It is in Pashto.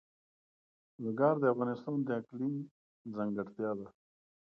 لوگر د افغانستان د اقلیم ځانګړتیا ده.